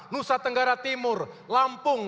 nusa tenggara timur lampung